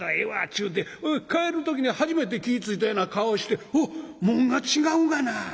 ちゅうて帰る時に初めて気ぃ付いたような顔をして『おっ紋が違うがな。